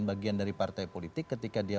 bagian dari partai politik ketika dia